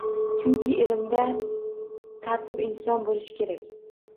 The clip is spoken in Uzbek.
Chunki, ilmda tartib-intizom bo‘lishi kerak.